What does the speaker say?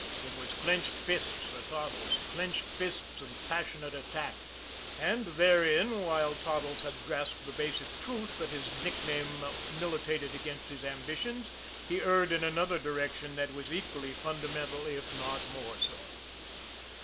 It was clenched fists for Toddles, clenched fists and passionate attack. And therein, while Toddles had grasped the basic truth that his nickname militated against his ambitions, he erred in another direction that was equally fundamental, if not more so.